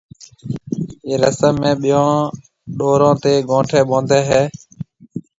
ايئيَ رسم ۾ ٻيون ڏورون تيَ گھونٺيَ ٻونڌي ھيَََ